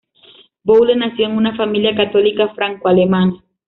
Boulle nació en una familia católica franco-alemana.